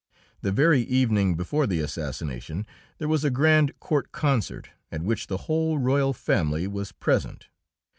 The very evening before the assassination there was a grand court concert, at which the whole royal family was present.